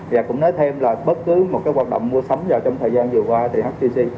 và cũng nói thêm là bất cứ một cái hoạt động mua sắm vào trong thời gian vừa qua thì htc